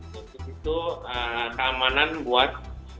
kedua itu keamanan buat